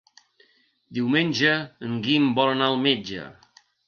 Diumenge en Guim vol anar al metge.